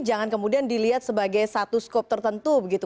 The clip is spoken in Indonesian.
jangan kemudian dilihat sebagai satu skop tertentu begitu